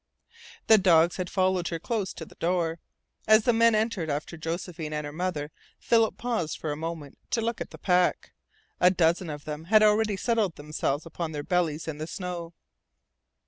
The dogs had followed her close to the door. As the men entered after Josephine and her mother, Philip paused for a moment to look at the pack. A dozen of them had already settled themselves upon their bellies in the snow.